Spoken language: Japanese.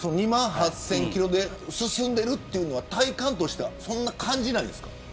２万８０００キロで進んでるっていうのは体感としてはそんな感じないんですか。